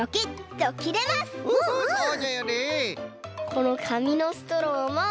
このかみのストローも。